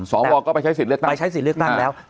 สวก็ไปใช้สิทธิ์เลือกตั้งไปใช้สิทธิ์เลือกตั้งแล้ว